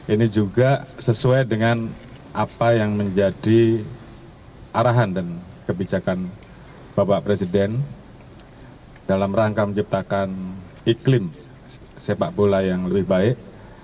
ini juga sesuai dengan apa yang menjadi arahan dan kebijakan bapak presiden dalam rangka menciptakan iklim sepak bola yang lebih baik